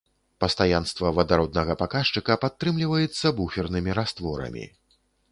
Пастаянства вадароднага паказчыка падтрымліваецца буфернымі растворамі.